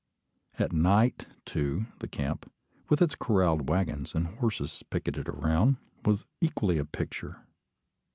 At night, too, the camp, with its corralled waggons, and horses picketed around, was equally a picture.